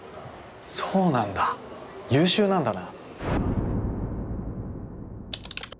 そうなんだ優秀なんだな。